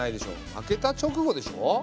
負けた直後でしょ？